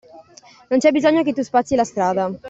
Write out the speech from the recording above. Non c'è bisogno che tu spazzi la strada.